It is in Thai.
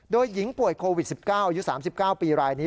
โดยหญิงป่วยโควิด๑๙อายุ๓๙ปีรายนี้